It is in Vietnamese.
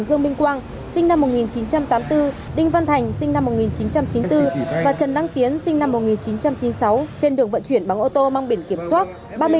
dương minh quang sinh năm một nghìn chín trăm tám mươi bốn đinh văn thành sinh năm một nghìn chín trăm chín mươi bốn và trần đăng tiến sinh năm một nghìn chín trăm chín mươi sáu trên đường vận chuyển bằng ô tô mang biển kiểm soát